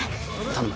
頼む。